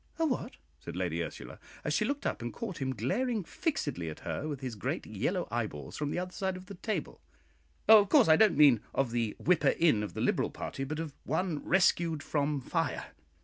'" "A what?" said Lady Ursula, as she looked up and caught him glaring fixedly at her with his great yellow eyeballs from the other side of the table. "Of course I don't mean of the 'whipper in' of the Liberal party, but of one rescued from fire.